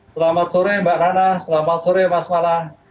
selamat sore mbak nana selamat sore mas malang